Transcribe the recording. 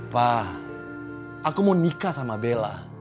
pak aku mau nikah sama bella